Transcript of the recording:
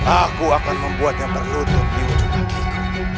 aku akan membuatnya terlutut di ujung agik